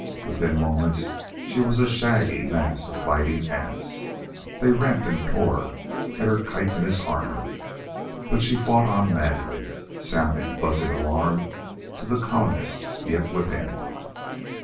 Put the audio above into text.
Within moments she was a shaggy mass of biting ants. They rent and tore at her chitinous armor. But she fought on madly, sounding a buzzing alarm to the colonists yet within.